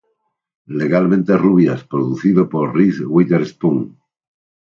Legalmente Rubias producido por Reese Witherspoon.